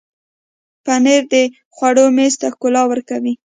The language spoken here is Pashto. پنېر د خوړو میز ته ښکلا ورکوي.